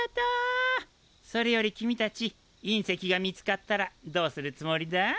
それより君たち隕石が見つかったらどうするつもりだ？